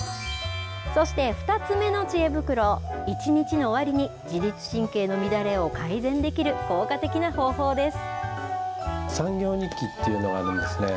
そして２つ目のちえ袋、一日の終わりに自律神経の乱れを改善できる効果的な方法です。